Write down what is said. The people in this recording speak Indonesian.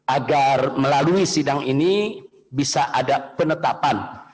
agar melalui sidang ini bisa ada penetapan